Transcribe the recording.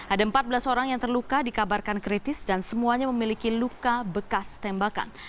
ada empat belas orang yang terluka dikabarkan kritis dan semuanya memiliki luka bekas tembakan